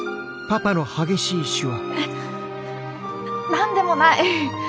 何でもない！